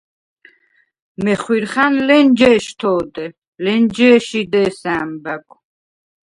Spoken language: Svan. მეხვირხა̈ნ ლენჯე̄შთე ოდე, ლენჯე̄ში დე̄სა ა̈მბა̈გვ.